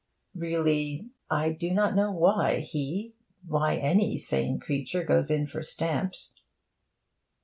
really, I do not know why he, why any sane creature goes in for stamps.